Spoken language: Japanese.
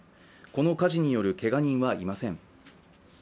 この火事によるけが人はいません。